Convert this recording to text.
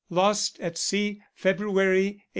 Lost at sea February, 1895.